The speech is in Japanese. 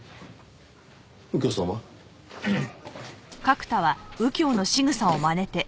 右京さんは？